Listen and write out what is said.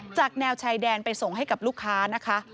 แนวชายแดนไปส่งให้กับลูกค้านะคะ